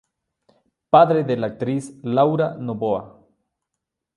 Padre de la actriz Laura Novoa.